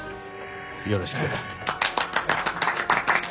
よろしく。